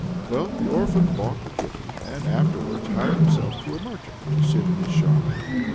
Well the orphan bought the kitten, and afterwards hired himself to a merchant, to sit in his shop.